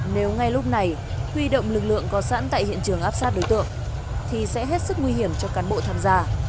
nếu ngay lúc này huy động lực lượng có sẵn tại hiện trường áp sát đối tượng thì sẽ hết sức nguy hiểm cho cán bộ tham gia